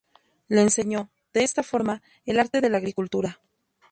Le enseñó, de esta forma, el arte de la agricultura.